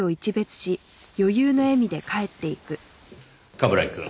冠城くん。